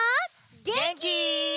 げんき？